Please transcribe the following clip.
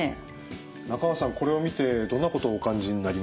中川さんこれを見てどんなことをお感じになりますか？